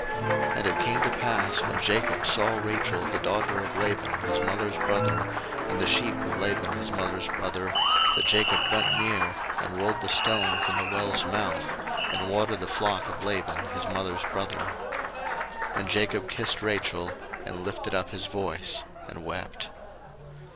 01:029:010 And it came to pass, when Jacob saw Rachel the daughter of Laban his mother's brother, and the sheep of Laban his mother's brother, that Jacob went near, and rolled the stone from the well's mouth, and watered the flock of Laban his mother's brother. 01:029:011 And Jacob kissed Rachel, and lifted up his voice, and wept.